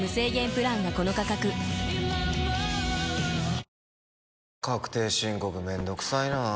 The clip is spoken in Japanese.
おおーーッ確定申告めんどくさいな。